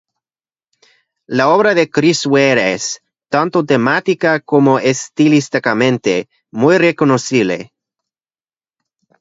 La obra de Chris Ware es, tanto temática como estilísticamente, muy reconocible.